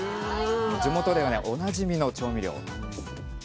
地元ではねおなじみの調味料なんです。